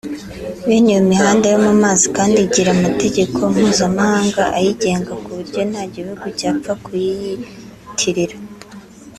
Bene iyo mihanda yo mu mazi kandi igira amategeko mpuzamahanga ayigenga ku buryo nta gihugu cyapfa kuyiyitirira